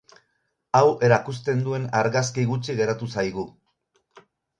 Hau erakusten duen argazki gutxi geratu zaigu.